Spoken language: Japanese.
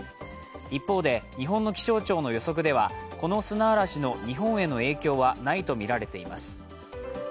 一方で日本の気象庁の予測ではこの砂嵐の日本への影響はないとみられています。